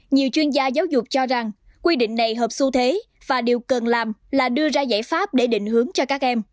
nhiều chuyên gia giáo dục cho rằng quy định này hợp xu thế và điều cần làm là đưa ra giải pháp để định hướng cho các em